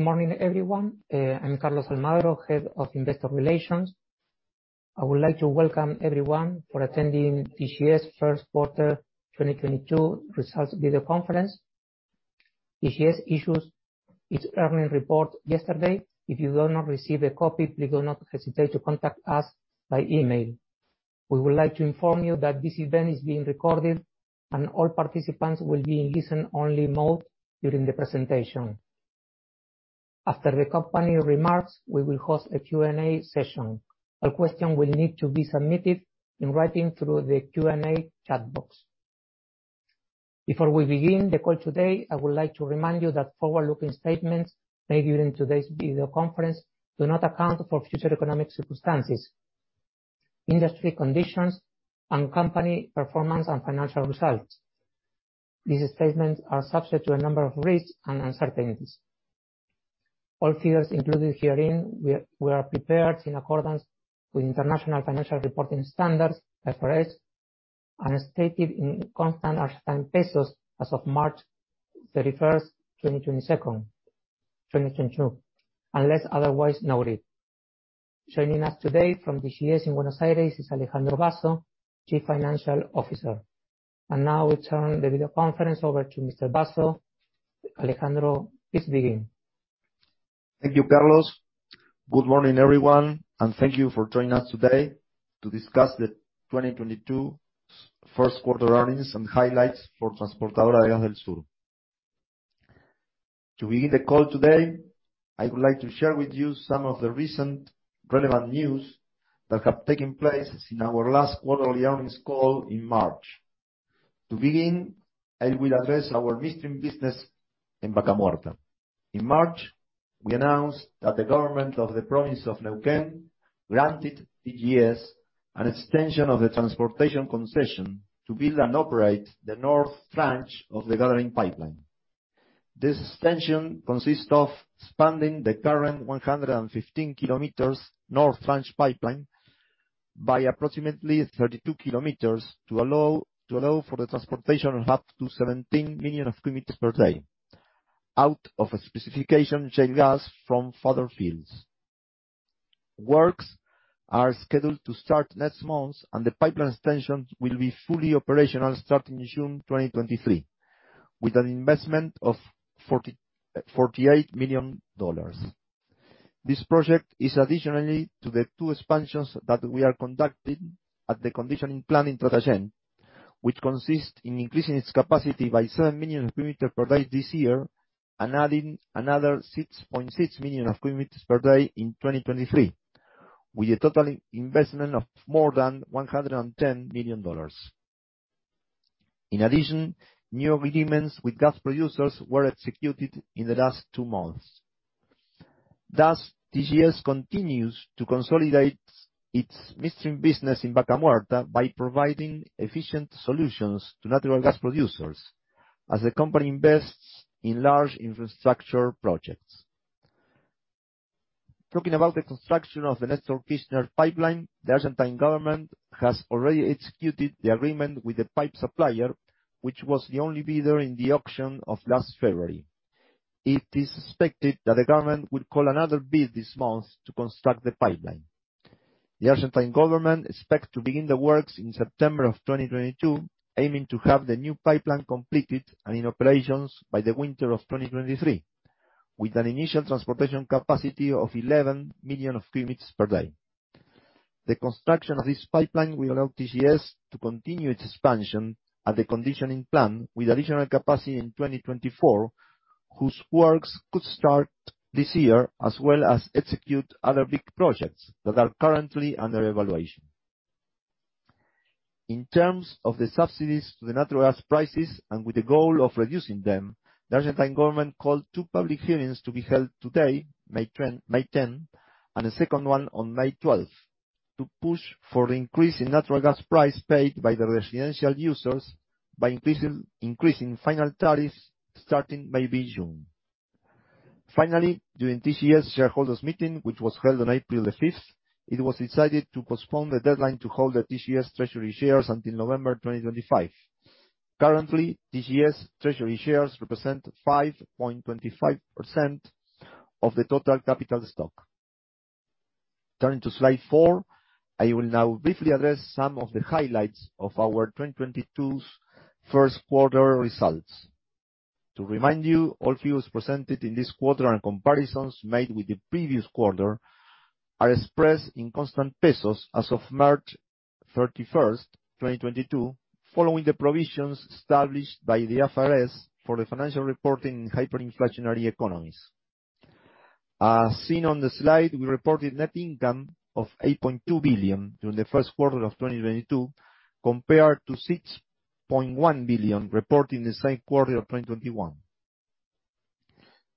Good morning, everyone. I'm Carlos Almagro, Head of Investor Relations. I would like to welcome everyone for attending TGS first quarter 2022 results video conference. TGS issued its earnings report yesterday. If you have not received a copy, please do not hesitate to contact us by email. We would like to inform you that this event is being recorded, and all participants will be in listen-only mode during the presentation. After the company remarks, we will host a Q&A session. A question will need to be submitted in writing through the Q&A chat box. Before we begin the call today, I would like to remind you that forward-looking statements made during today's video conference do not account for future economic circumstances, industry conditions, and company performance and financial results. These statements are subject to a number of risks and uncertainties. All figures included herein were prepared in accordance with International Financial Reporting Standards, IFRS, and are stated in constant Argentine pesos as of March thirty-first, twenty twenty-two, unless otherwise noted. Joining us today from TGS in Buenos Aires is Alejandro Basso, Chief Financial Officer. Now we turn the video conference over to Mr. Basso. Alejandro, please begin. Thank you, Carlos. Good morning, everyone, and thank you for joining us today to discuss the 2022's first quarter earnings and highlights for Transportadora de Gas del Sur. To begin the call today, I would like to share with you some of the recent relevant news that have taken place since our last quarterly earnings call in March. To begin, I will address our midstream business in Vaca Muerta. In March, we announced that the government of the province of Neuquén granted TGS an extension of the transportation concession to build and operate the north branch of the gathering pipeline. This extension consists of expanding the current 115-kilometer north branch pipeline by approximately 32 kilometers to allow for the transportation of up to 17 million cubic meters per day of off-specification shale gas from further fields. Works are scheduled to start next month, and the pipeline extension will be fully operational starting June 2023, with an investment of $48 million. This project is additionally to the two expansions that we are conducting at the conditioning plant in Tratayén, which consists in increasing its capacity by 7 million cubic meters per day this year, and adding another 6.6 million cubic meters per day in 2023, with a total investment of more than $110 million. In addition, new agreements with gas producers were executed in the last two months. Thus, TGS continues to consolidate its midstream business in Vaca Muerta by providing efficient solutions to natural gas producers as the company invests in large infrastructure projects. Talking about the construction of the Néstor Kirchner pipeline, the Argentine government has already executed the agreement with the pipe supplier, which was the only bidder in the auction of last February. It is suspected that the government will call another bid this month to construct the pipeline. The Argentine government expect to begin the works in September of 2022, aiming to have the new pipeline completed and in operations by the winter of 2023, with an initial transportation capacity of 11 million cubic meters per day. The construction of this pipeline will allow TGS to continue its expansion at the conditioning plant with additional capacity in 2024, whose works could start this year, as well as execute other big projects that are currently under evaluation. In terms of the subsidies to the natural gas prices, and with the goal of reducing them, the Argentine government called two public hearings to be held today, May 10, and a second one on May 12, to push for increase in natural gas price paid by the residential users by increasing final tariffs starting maybe June. Finally, during TGS shareholders meeting, which was held on April 5 2022, it was decided to postpone the deadline to hold the TGS treasury shares until November 2025. Currently, TGS treasury shares represent 5.25% of the total capital stock. Turning to slide four, I will now briefly address some of the highlights of our 2022's first quarter results. To remind you, all figures presented in this quarter and comparisons made with the previous quarter are expressed in constant pesos as of March 31, 2022, following the provisions established by the IFRS for the financial reporting in hyperinflationary economies. As seen on the slide, we reported net income of 8.2 billion during the first quarter of 2022, compared to 6.1 billion reported in the same quarter of 2021.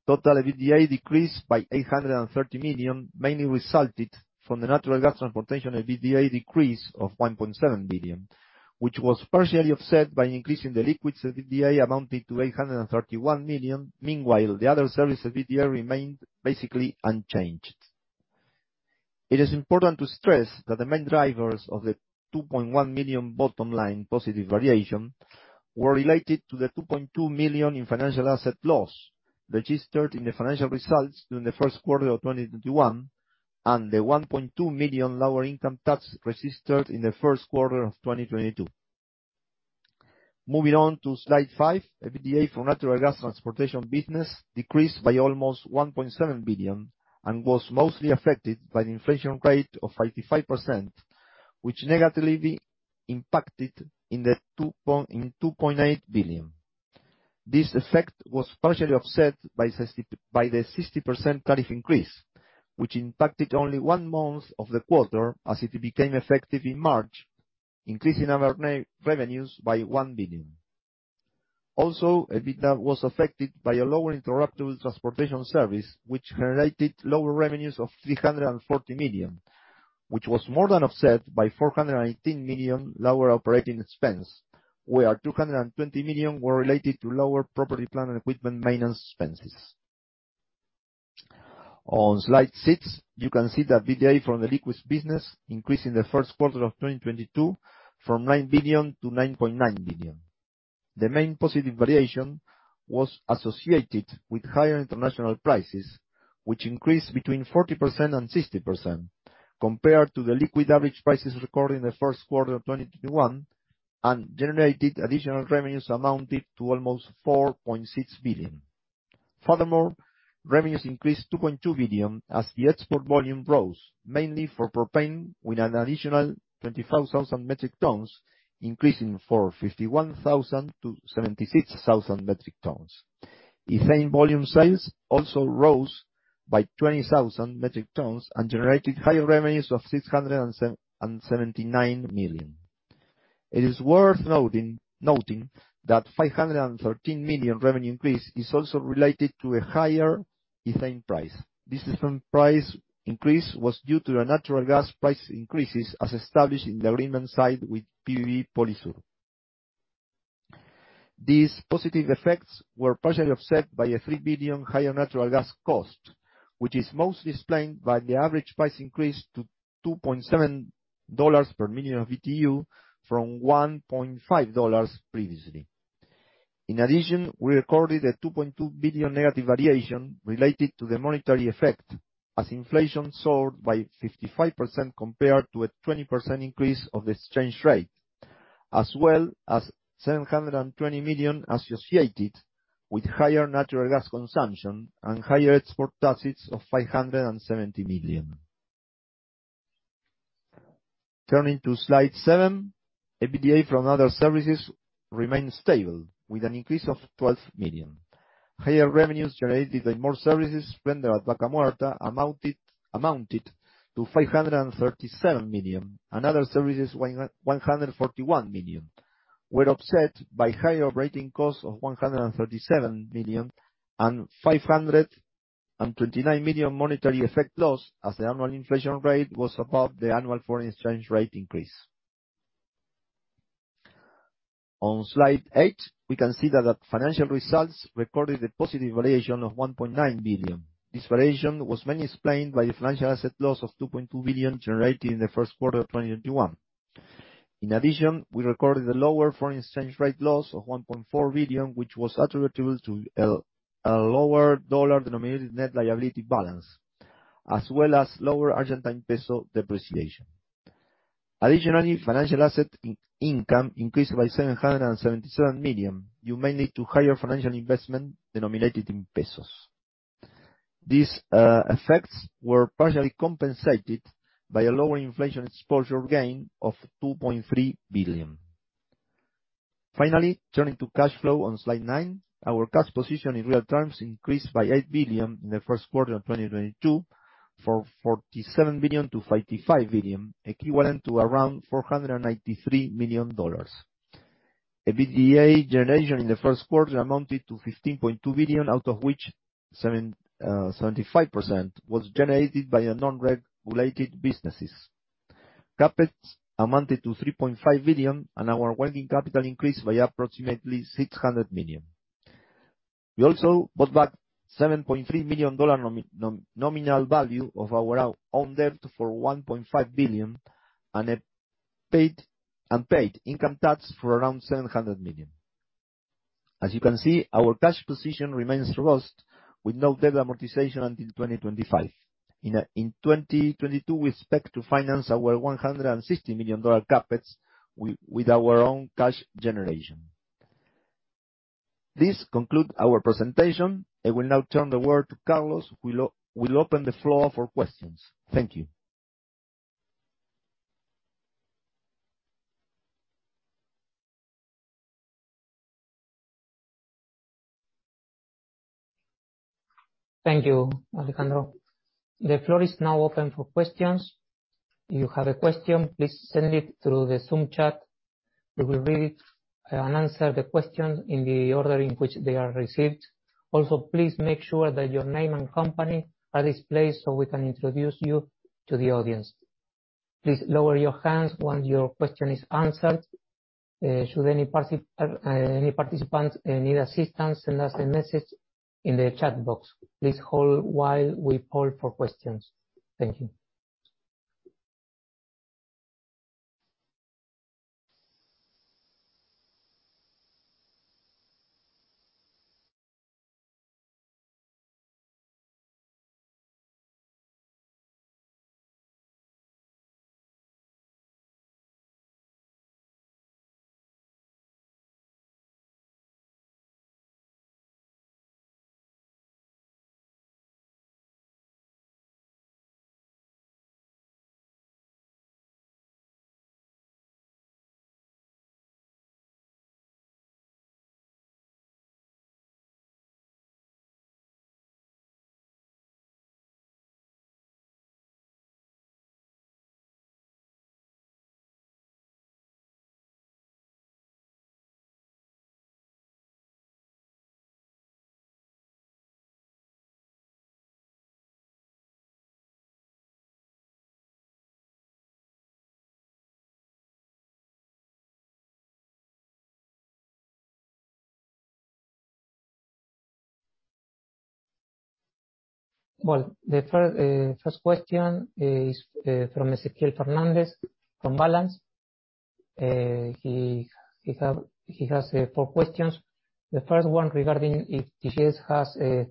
Total EBITDA decreased by 830 million, mainly resulted from the natural gas transportation EBITDA decrease of 1.7 billion, which was partially offset by increase in the liquids EBITDA amounting to 831 million. Meanwhile, the other service EBITDA remained basically unchanged. It is important to stress that the main drivers of the 2.1 million bottom line positive variation were related to the 2.2 million in financial asset loss registered in the financial results during the first quarter of 2021, and the 1.2 million lower income tax registered in the first quarter of 2022. Moving on to slide 5, EBITDA from natural gas transportation business decreased by almost 1.7 billion and was mostly affected by the inflation rate of 55%, which negatively impacted the 2.8 billion. This effect was partially offset by the 60% tariff increase, which impacted only one month of the quarter as it became effective in March, increasing our net revenues by 1 billion. EBITDA was affected by a lower interruptible transportation service, which generated lower revenues of 340 million, which was more than offset by 418 million lower operating expense, where 220 million were related to lower property, plant and equipment maintenance expenses. On slide six, you can see that EBITDA from the liquids business increased in the first quarter of 2022 from 9 billion to 9.9 billion. The main positive variation was associated with higher international prices, which increased between 40% and 60% compared to the liquids average prices recorded in the first quarter of 2021, and generated additional revenues amounting to almost 4.6 billion. Furthermore, revenues increased 2.2 billion as the export volume rose mainly for propane with an additional 25,000 metric tons, increasing from 51,000 to 76,000 metric tons. Ethane volume sales also rose by 20,000 metric tons and generated higher revenues of 679 million. It is worth noting that 513 million revenue increase is also related to a higher ethane price. This ethane price increase was due to a natural gas price increases as established in the agreement signed with PBB Polisur. These positive effects were partially offset by a 3 billion higher natural gas cost, which is mostly explained by the average price increase to $2.7 per million BTU from 1.5 previously. In addition, we recorded a 2.2 billion negative variation related to the monetary effect as inflation soared by 55% compared to a 20% increase of the exchange rate, as well as 720 million associated with higher natural gas consumption and higher export taxes of 570 million. Turning to slide 7, EBITDA from other services remained stable with an increase of 12 million. Higher revenues generated by more services rendered at Vaca Muerta amounted to 537 million, and other services one hundred and forty-one million were offset by higher operating costs of 137 million and 529 million monetary effect loss as the annual inflation rate was above the annual foreign exchange rate increase. On slide eight, we can see that the financial results recorded a positive variation of 1.9 billion. This variation was mainly explained by the financial asset loss of 2.2 billion generated in the first quarter of 2021. In addition, we recorded a lower foreign exchange rate loss of 1.4 billion, which was attributable to a lower dollar denominated net liability balance, as well as lower Argentine peso depreciation. Additionally, financial asset income increased by 777 million, mainly due to higher financial investment denominated in pesos. These effects were partially compensated by a lower inflation exposure gain of 2.3 billion. Finally, turning to cash flow on slide 9, our cash position in real terms increased by 8 billion in the first quarter of 2022 from 47 billion to 55 billion, equivalent to around $493 million. EBITDA generation in the first quarter amounted to 15.2 billion, out of which 75% was generated by our non-regulated businesses. CapEx amounted to 3.5 billion, and our working capital increased by approximately 600 million. We also bought back $7.3 million nominal value of our own debt for 1.5 billion, and paid income tax for around 700 million. As you can see, our cash position remains robust with no debt amortization until 2025. In 2022, we expect to finance our $160 million CapEx with our own cash generation. This concludes our presentation. I will now turn it over to Carlos who will open the floor for questions. Thank you. Thank you, Alejandro. The floor is now open for questions. If you have a question, please send it through the Zoom chat. We will read it, and answer the question in the order in which they are received. Also, please make sure that your name and company are displayed so we can introduce you to the audience. Please lower your hands once your question is answered. Should any participants need assistance, send us a message in the chat box. Please hold while we poll for questions. Thank you. Well, the first question is from Ezequiel Fernández from Balanz. He has four questions. The first one regarding if TGS has a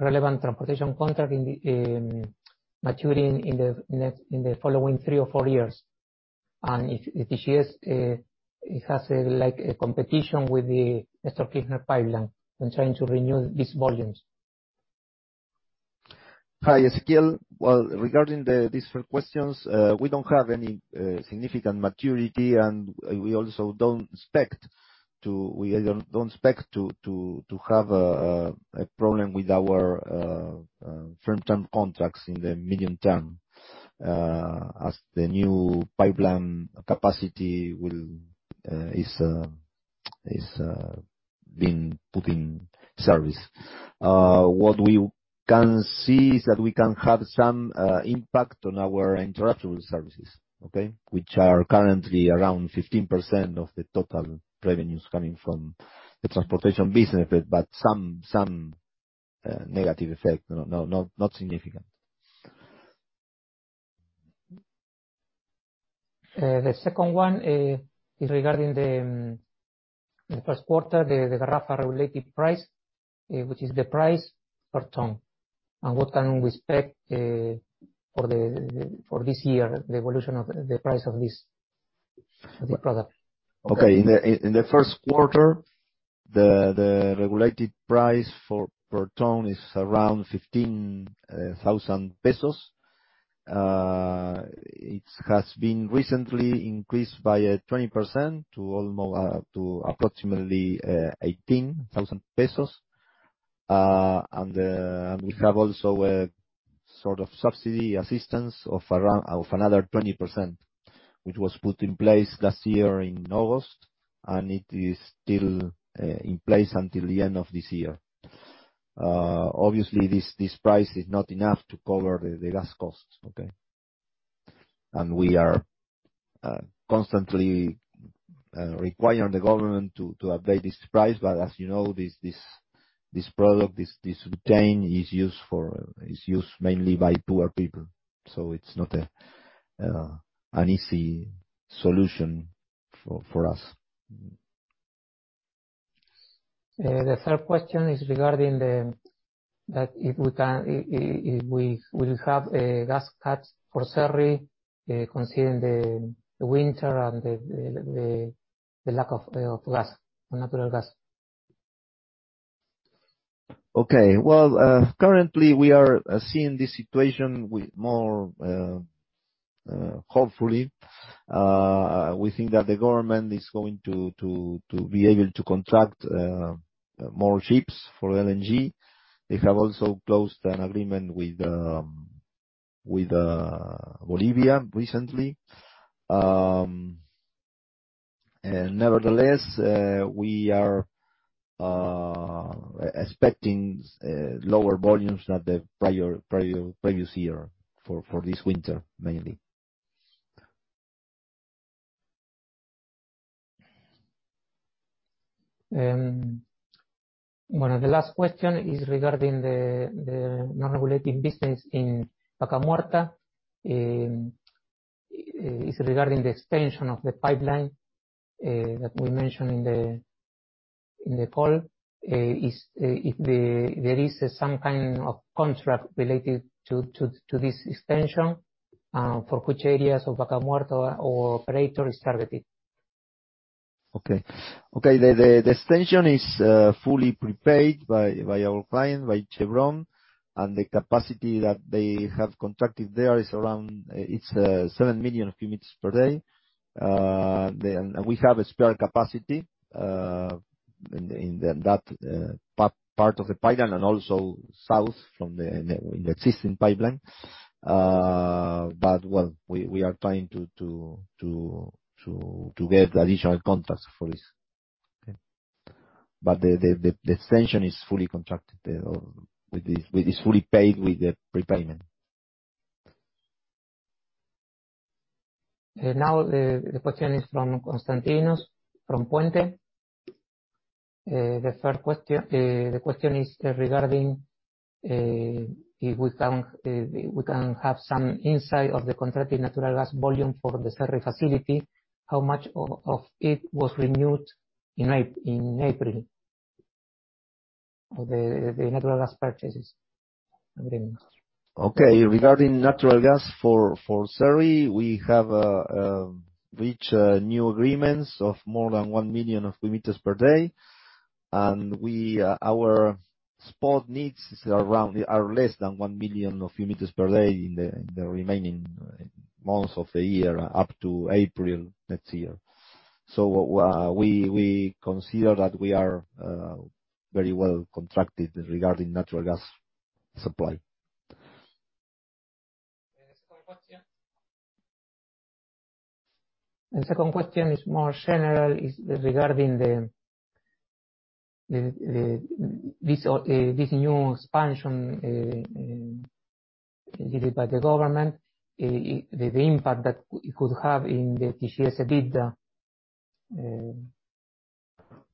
relevant transportation contract maturing in the next, in the following three or four years. If TGS it has a, like, a competition with the Néstor Kirchner pipeline on trying to renew these volumes. Hi, Ezequiel. Well, regarding these questions, we don't have any significant maturity, and we also don't expect to have a problem with our firm term contracts in the medium term, as the new pipeline capacity is being put in service. What we can see is that we can have some impact on our interruptible services, okay? Which are currently around 15% of the total revenues coming from the transportation business. Some negative effect. No, not significant. The second one is regarding the first quarter, the garrafa-related price, which is the price per ton, and what can we expect for this year, the evolution of the price of the product? Okay. In the first quarter, the regulated price per ton is around 15,000 pesos. It has been recently increased by 20% to approximately 18,000 pesos. We have also a sort of subsidy assistance of around another 20%, which was put in place last year in August, and it is still in place until the end of this year. Obviously this price is not enough to cover the gas costs, okay. We are constantly requiring the government to update this price. As you know, this product, this butane is used mainly by poor people, so it's not an easy solution for us. The third question is regarding that if we will have gas cuts for Cerri, considering the winter and the lack of natural gas. Okay. Well, currently we are seeing this situation with more hopefully. We think that the government is going to be able to contract more ships for LNG. They have also closed an agreement with Bolivia recently. Nevertheless, we are expecting lower volumes than the previous year for this winter, mainly. Well, the last question is regarding the non-regulated business in Vaca Muerta regarding the extension of the pipeline that we mentioned in the call. Is there some kind of contract related to this extension for which areas of Vaca Muerta or operators targeted? Okay. The extension is fully prepaid by our client, by Chevron, and the capacity that they have contracted there is around 7 million cubic meters per day. Then we have a spare capacity in that part of the pipeline and also south from the existing pipeline. Well, we are trying to get additional contracts for this. Okay. The extension is fully contracted or with this fully paid with the prepayment. Now the question is from Constantinos from Puente. The third question is regarding if we can have some insight of the contracted natural gas volume for the Cerri facility, how much of it was renewed in April of the natural gas purchases agreement. Okay. Regarding natural gas for Cerri, we have reached new agreements of more than 1 million units per day. Our spot needs are less than 1 million units per day in the remaining months of the year up to April next year. We consider that we are very well contracted regarding natural gas supply. The second question is more general, is regarding this new expansion led by the government. The impact that it could have in the TGS EBITDA.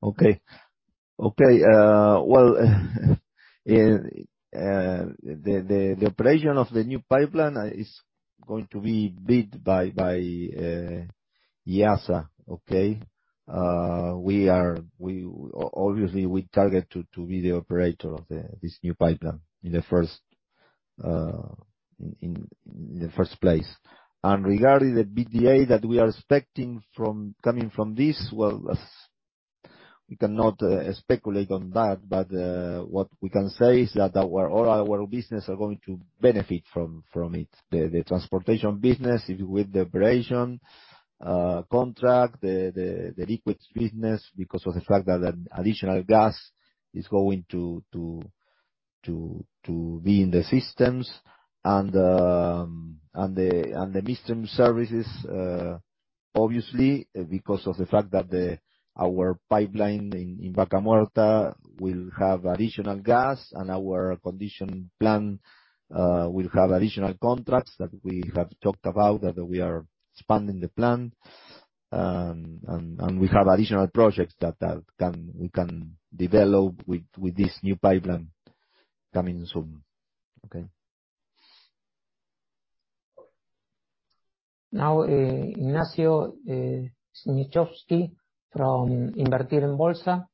Okay. Well, the operation of the new pipeline is going to be bid by ENARSA. Okay? We obviously target to be the operator of this new pipeline in the first place. Regarding the BDA that we are expecting coming from this, well, we cannot speculate on that. What we can say is that all our business are going to benefit from it. The transportation business with the operation contract, the liquids business, because of the fact that an additional gas is going to be in the systems and the midstream services, obviously, because of the fact that our pipeline in Vaca Muerta will have additional gas and our conditioning plant will have additional contracts that we have talked about, that we are expanding the plant. We have additional projects that we can develop with this new pipeline coming soon. Okay. Now, Ignacio Sniechowski from Invertir en Bolsa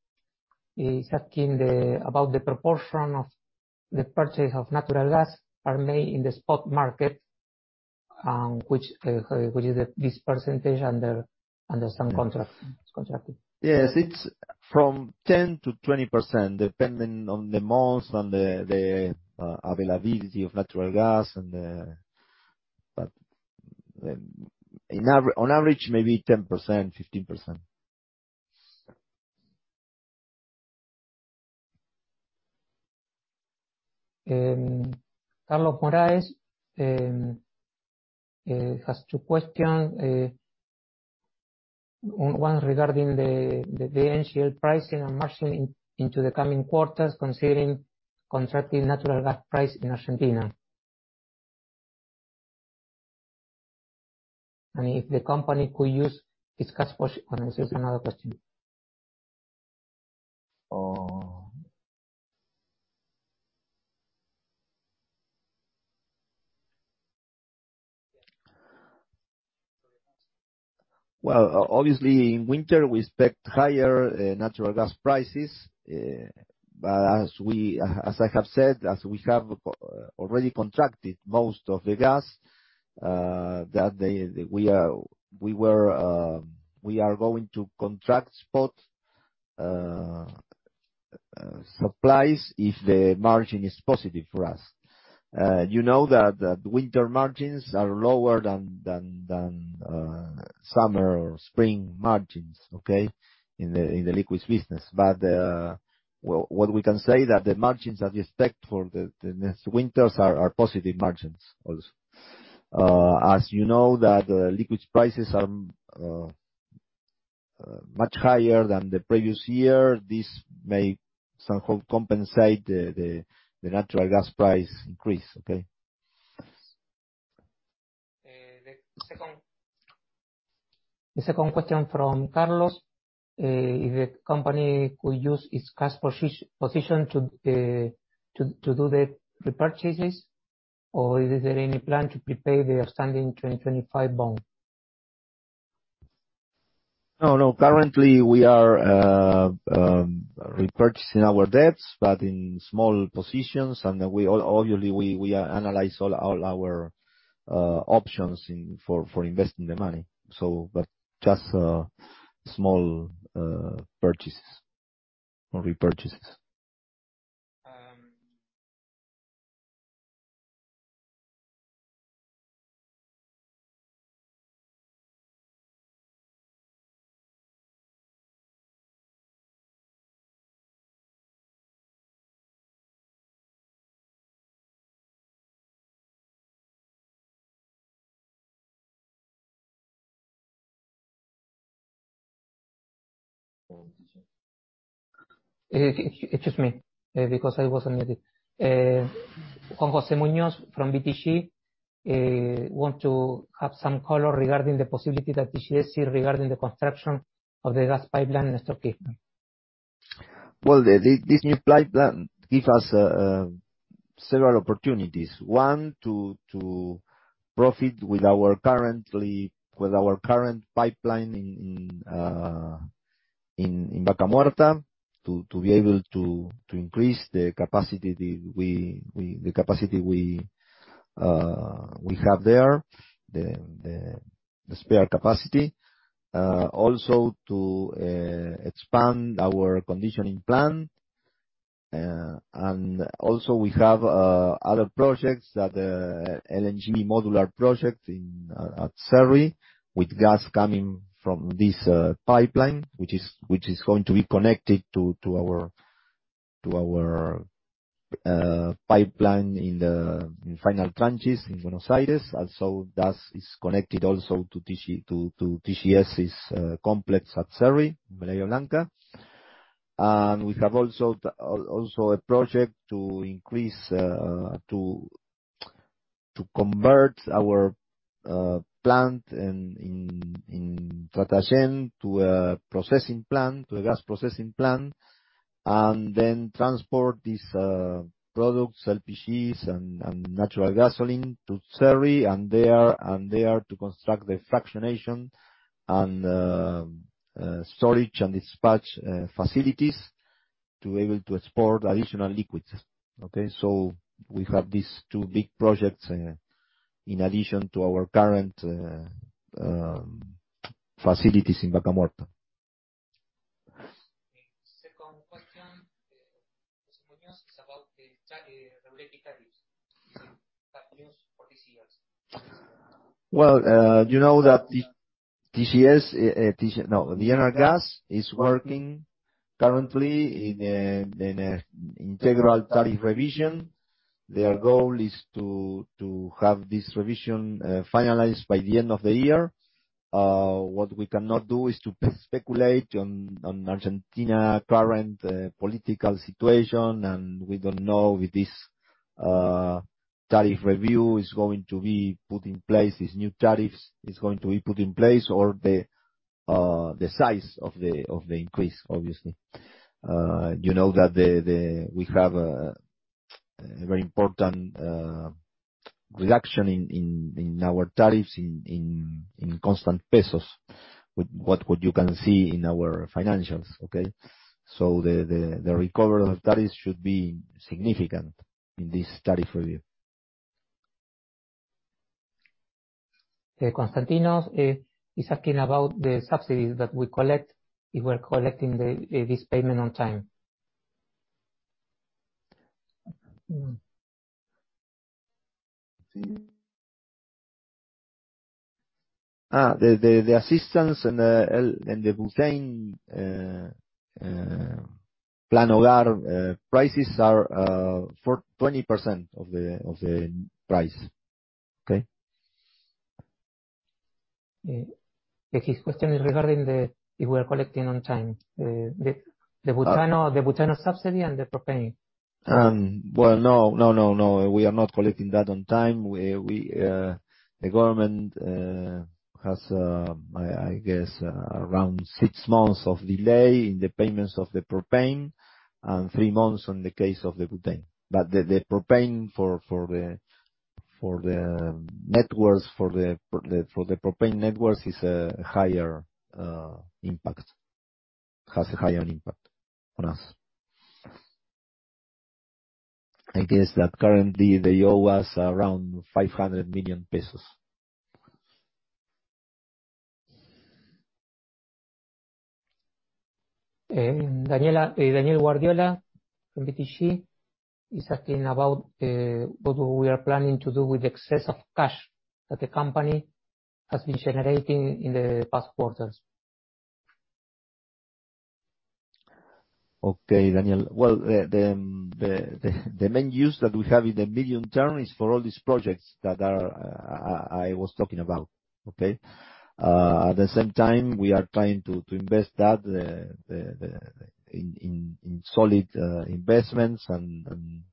is asking about the proportion of the purchase of natural gas are made in the spot market, which is this percentage under some contracted. Yes. It's from 10%-20%, depending on the months and the availability of natural gas. On average, maybe 10%, 15%. Carlos Moraes has two questions, one regarding the NGL pricing and margin into the coming quarters considering contracted natural gas price in Argentina. If the company could use its cash posi— This is another question. Well, obviously, in winter we expect higher natural gas prices. As I have said, as we have already contracted most of the gas that we are going to contract spot supplies if the margin is positive for us. You know that winter margins are lower than summer or spring margins, okay, in the liquids business. Well, what we can say that the margins that we expect for the next winters are positive margins also. As you know that the liquids prices are much higher than the previous year. This may somehow compensate the natural gas price increase. Okay. The second question from Carlos, if the company could use its cash position to do the repurchases, or is there any plan to prepay the outstanding 2025 bond? No, no. Currently, we are repurchasing our debts, but in small positions. Obviously, we analyze all our options for investing the money. Just small purchases or repurchases. Excuse me, because I wasn't ready. Juan José Muñoz from BTG want to have some color regarding the possibility that TGS here regarding the construction of the gas pipeline in Vaca Muerta. Well, this new pipeline give us several opportunities. One, to profit with our current pipeline in Vaca Muerta, to be able to increase the capacity we have there, the spare capacity. Also to expand our conditioning plant. Also we have other projects, LNG modular project at Cerri, with gas coming from this pipeline, which is going to be connected to our pipeline in the final stretch in Buenos Aires. Also that is connected also to TGS's complex at Cerri, in Bahía Blanca. We have also a project to convert our plant in Tratayén to a processing plant, to a gas processing plant, and then transport these products, LPGs and natural gasoline to Cerri, and there to construct the fractionation and storage and dispatch facilities to be able to export additional liquids. Okay? We have these two big projects in addition to our current facilities in Vaca Muerta. Second question, Juan José Muñoz, is about the tariff regulatory tariffs. Bad news for TGS. Well, you know that ENARGAS is working currently in a integral tariff revision. Their goal is to have this revision finalized by the end of the year. What we cannot do is to speculate on Argentina's current political situation. We don't know if this tariff review is going to be put in place, these new tariffs is going to be put in place or the size of the increase, obviously. You know that we have a very important reduction in our tariffs in constant pesos, with what you can see in our financials. Okay. The recovery of tariffs should be significant in this tariff review. Constantinos is asking about the subsidies that we collect, if we're collecting this payment on time. The assistance and the butane Programa Hogar prices are for 20% of the price. Okay? His question is regarding if we are collecting on time. The butane subsidy and the propane. Well, no. We are not collecting that on time. The government has, I guess, around six months of delay in the payments of the propane and three months in the case of the butane. The propane for the networks has a higher impact on us. I guess that currently they owe us around 500 million pesos. Daniel Guardiola from BTG is asking about what we are planning to do with the excess of cash that the company has been generating in the past quarters. Okay, Daniel. Well, the main use that we have in the medium-term is for all these projects that I was talking about. Okay? At the same time, we are trying to invest that in solid investments and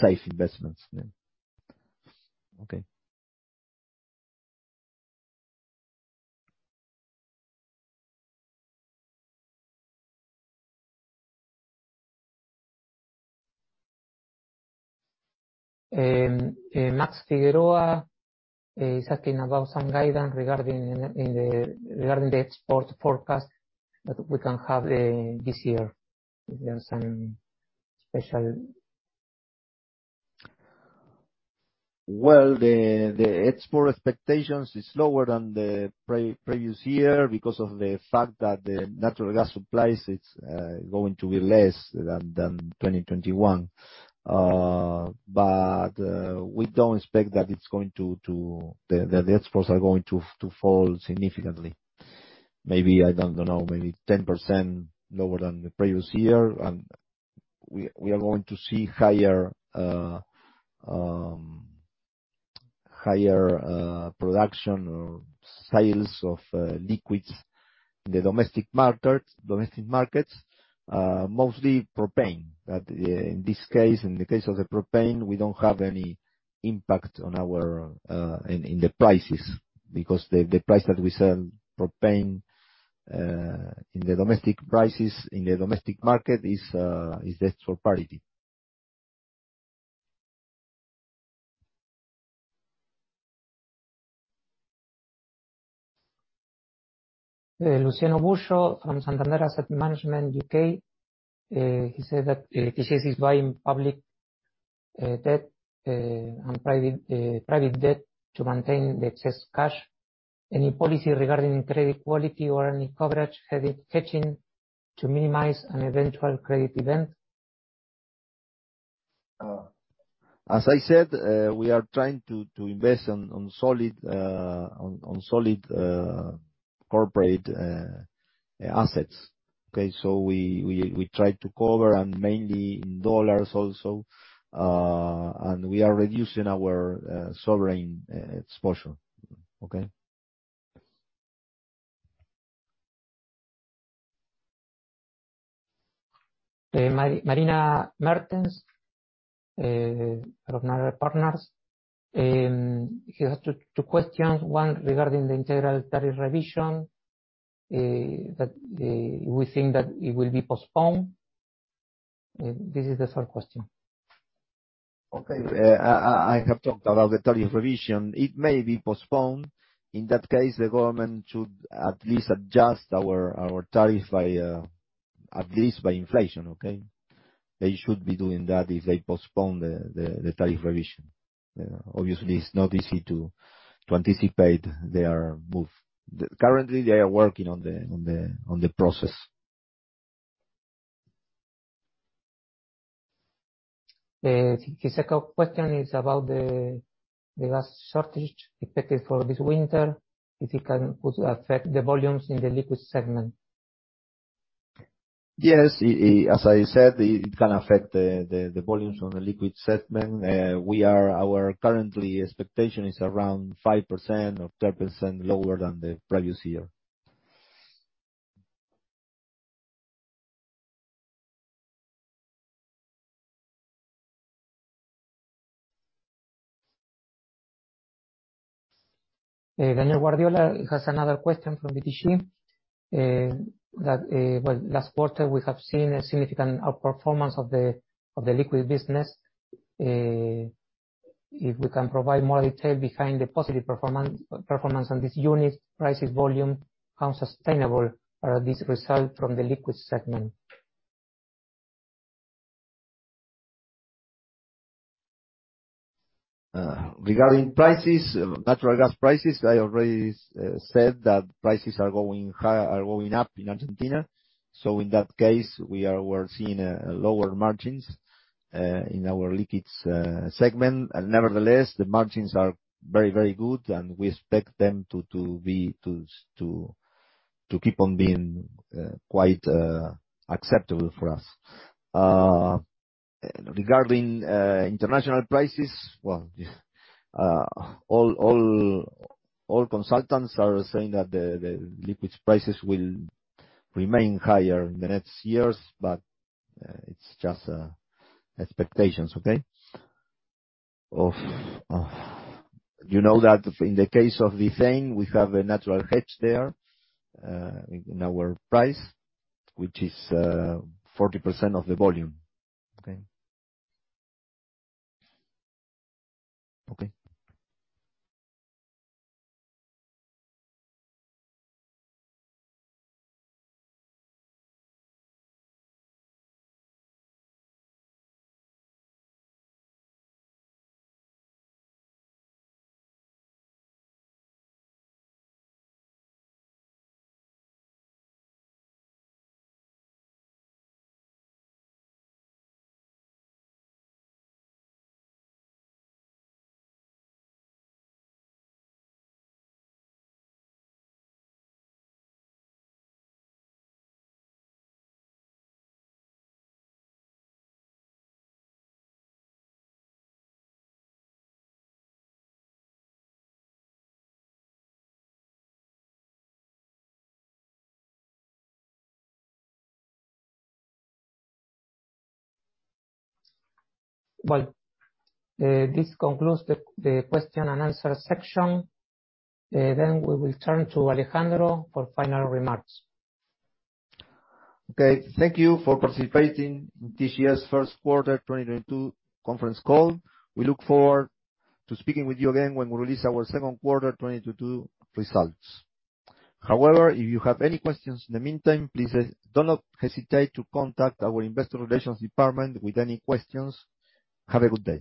safe investments. Okay. Max Figueroa is asking about some guidance regarding the export forecast that we can have this year. If there are some special- The export expectations is lower than the previous year because of the fact that the natural gas supplies is going to be less than 2021. We don't expect that the exports are going to fall significantly. Maybe, I don't know, maybe 10% lower than the previous year, and we are going to see higher production or sales of liquids in the domestic market, mostly propane. In this case, in the case of the propane, we don't have any impact on our prices because the price that we sell propane in the domestic market is at par. Luciano Buyo from Santander Asset Management UK. He said that TGS is buying public debt and private debt to maintain the excess cash. Any policy regarding credit quality or any coverage hedging to minimize an eventual credit event? As I said, we are trying to invest in solid corporate assets. Okay? We try to cover, and mainly in dollars also, and we are reducing our sovereign exposure. Okay? Marina Martens from Noctua Partners. She has two questions, one regarding the integral tariff revision that we think it will be postponed. This is the first question. Okay. I have talked about the tariff revision. It may be postponed. In that case, the government should at least adjust our tariff by at least inflation, okay? They should be doing that if they postpone the tariff revision. Obviously, it's not easy to anticipate their move. Currently, they are working on the process. His second question is about the gas shortage expected for this winter. If it could affect the volumes in the liquid segment. Yes. As I said, it can affect the volumes on the liquid segment. Our current expectation is around 5% or 10% lower than the previous year. Daniel Guardiola has another question from BTG. Last quarter we have seen a significant outperformance of the liquid business. If we can provide more detail behind the positive performance on this unit, prices, volume, how sustainable are these results from the liquid segment? Regarding prices, natural gas prices, I already said that prices are going up in Argentina. In that case, we're seeing lower margins in our liquids segment. Nevertheless, the margins are very good, and we expect them to be to keep on being quite acceptable for us. Regarding international prices, all consultants are saying that the liquids prices will remain higher in the next years. It's just expectations, okay? You know that in the case of ethane, we have a natural hedge there in our price, which is 40% of the volume. Well, this concludes the question and answer section. We will turn to Alejandro for final remarks. Okay. Thank you for participating in TGS' first quarter 2022 conference call. We look forward to speaking with you again when we release our second quarter 2022 results. However, if you have any questions in the meantime, please do not hesitate to contact our investor relations department with any questions. Have a good day.